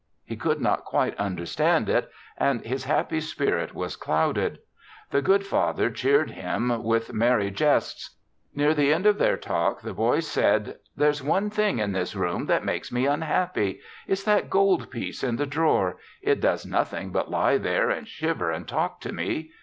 He could not quite understand it and his happy spirit was clouded. The good Father cheered him with merry jests. Near the end of their talk the boy said: "There's one thing in this room that makes me unhappy. It's that gold piece in the drawer. It does nothing but lie there and shiver and talk to me.